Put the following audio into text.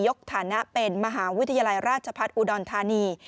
ฐานะเป็นมหาวิทยาลัยราชพัฒน์อุดรธานี